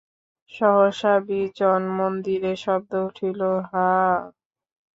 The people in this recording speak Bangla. সহসা বিজন মন্দিরে শব্দ উঠিল, হাঁ।